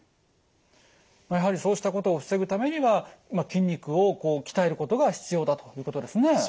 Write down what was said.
やはりそうしたことを防ぐためには筋肉を鍛えることが必要だということですね。